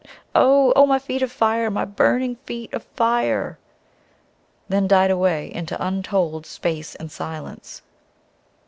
Oh, oh! My feet of fire! My burning feet of fire ...!" then died away, into untold space and silence.